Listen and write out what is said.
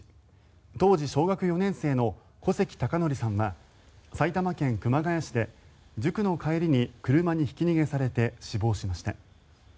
当時、小学４年生の小関孝徳さんは埼玉県熊谷市で塾の帰りに車にひき逃げされて死亡しました。